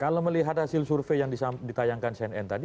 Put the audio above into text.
kalau melihat hasil survei yang ditayangkan cnn tadi